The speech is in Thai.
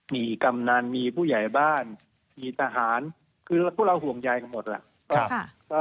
มีกำนันมีผู้ใหญ่บ้านมีทหารคือพวกเราห่วงใยกันหมดล่ะ